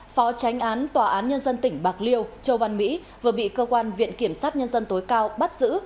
phó tránh án tòa án nhân dân tỉnh bạc liêu châu văn mỹ vừa bị cơ quan viện kiểm sát nhân dân tối cao bắt giữ